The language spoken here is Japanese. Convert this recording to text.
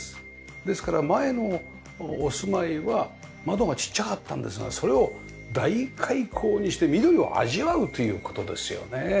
ですから前のお住まいは窓がちっちゃかったんですがそれを大開口にして緑を味わうという事ですよね。